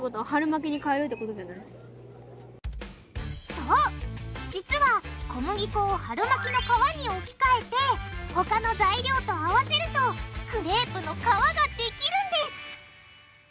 そう実は小麦粉を春巻きの皮に置き換えてほかの材料と合わせるとクレープの皮ができるんです！